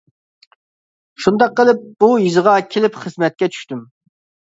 شۇنداق قىلىپ بۇ يېزىغا كېلىپ خىزمەتكە چۈشتۈم.